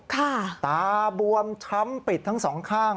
ตาบวมช้ำปิดทั้งสองข้าง